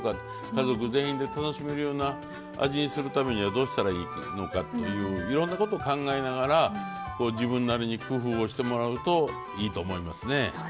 家族全員で楽しめるような味にするためにはどうしたらいいのかといういろんなことを考えながら自分なりに工夫をしてもらうといいと思いますね。